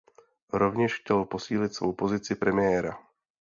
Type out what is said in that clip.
Rovněž chtěl posílit svou pozici premiéra.